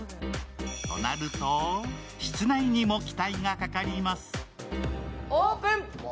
となると、室内にも期待がかかります。